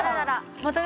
またね